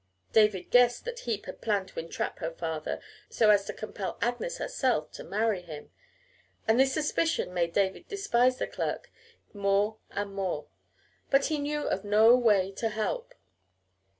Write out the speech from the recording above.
David guessed that Heep had planned to entrap her father so as to compel Agnes herself to marry him, and this suspicion made David despise the clerk more and more. But he knew of no way to help.